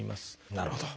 なるほど。